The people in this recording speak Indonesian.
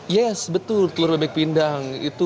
yes betul telur bebek pindang itu